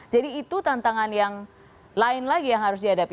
jadi itu tantangan yang lain lagi yang harus dihadapi